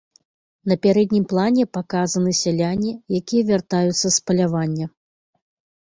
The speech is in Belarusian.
На пярэднім плане паказаны сяляне, якія вяртаюцца з палявання.